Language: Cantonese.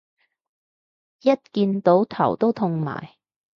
一見到頭都痛埋